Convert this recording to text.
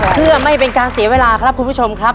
เพื่อไม่เป็นการเสียเวลาครับคุณผู้ชมครับ